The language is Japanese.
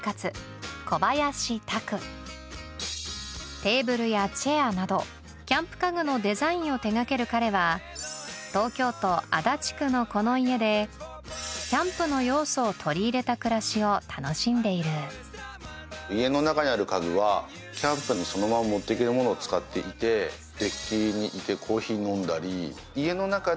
テーブルやチェアなどキャンプ家具のデザインを手掛ける彼は東京都足立区のこの家でを楽しんでいる家の中にある家具はキャンプにそのまま持って行けるものを使っていてデッキにいてコーヒー飲んだり。